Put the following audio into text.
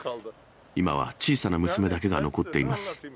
今は小さな娘だけが残っています。